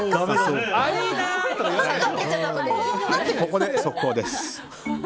ここで速報です。